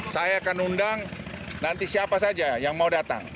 saya akan undang nanti siapa saja yang mau datang